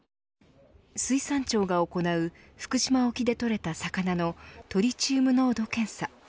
水産庁が行う福島沖で取れた魚のトリチウム濃度検査。